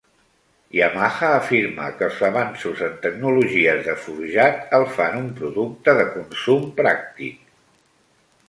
Yamaha afirma que els avanços en tecnologies de forjat el fan un producte de consum pràctic.